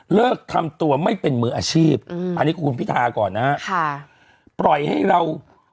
เลิกทำตัวไม่เป็นมืออาชีพอันนี้คุณพิธาก่อนนะครับ